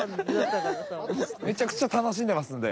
めちゃくちゃ楽しんでますんで。